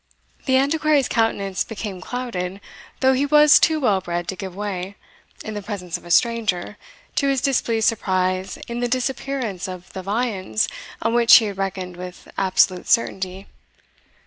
The Antiquary's countenance became clouded, though he was too well bred to give way, in the presence of a stranger, to his displeased surprise at the disappearance of the viands on which he had reckoned with absolute certainty.